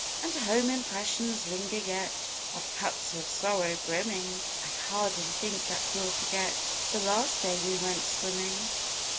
And home impressions linger yet Of cups of sorrow brimming; I hardly think that we'll forget The last day we went swimming.